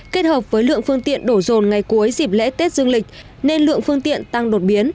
kết hợp với lượng phương tiện đổ rồn ngày cuối dịp lễ tết dương lịch nên lượng phương tiện tăng đột biến